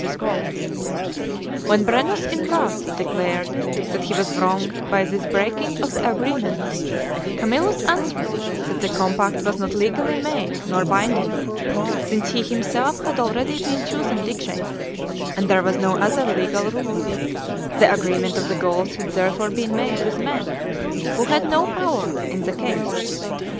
with gold. When Brennus in wrath declared that he was wronged by this breaking of the agree ment, Camillus answered that the compact was not legally made nor binding, since he himself had already been chosen dictator and there was no other legal ruler ; the agreement of the Gauls had there fore been made with men who had no power in the case.